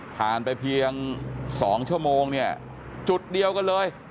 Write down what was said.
ไปเพียง๒ชั่วโมงเนี่ยจุดเดียวกันเลย